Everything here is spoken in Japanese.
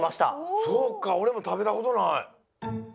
そっかおれも食べたことない。